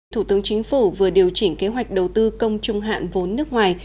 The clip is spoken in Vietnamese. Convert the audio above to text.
thủ tướng chính phủ vừa điều chỉnh kế hoạch đầu tư công trung hạn vốn nước ngoài